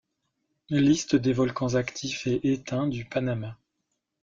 Liste des volcans actifs et éteints du Panama.